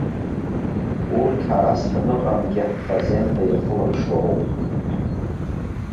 Урҭ ара саныҟамгьы ҳфазенда иахылаԥшуа роуп.